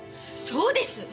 そうです！